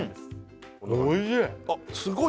おいしい！